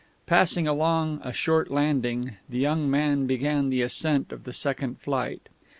Passing along a short landing, the young man began the ascent of the second flight.